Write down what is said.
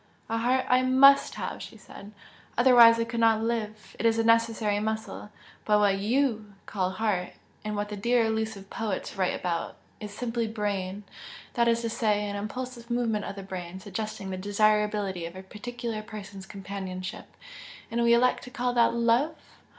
"A heart I MUST have!" she said "otherwise I could not live. It is a necessary muscle. But what YOU call 'heart' and what the dear elusive poets write about, is simply brain, that is to say, an impulsive movement of the brain, suggesting the desirability of a particular person's companionship and we elect to call that 'love'!